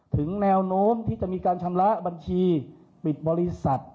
ถึงแนวโน้มที่จะมีการชำระบัญชีปิดบริษัท